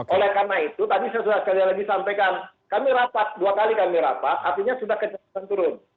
oleh karena itu tadi saya sudah sekali lagi sampaikan kami rapat dua kali kami rapat artinya sudah kecepatan turun